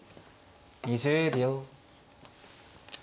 ２０秒。